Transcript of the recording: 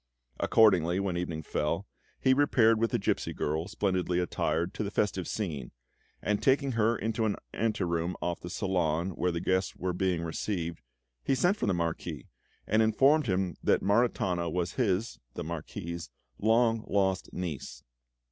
Accordingly, when evening fell, he repaired with the gipsy girl, splendidly attired, to the festive scene, and taking her into an ante room off the salon where the guests were being received, he sent for the Marquis, and informed him that Maritana was his (the Marquis's) long lost niece.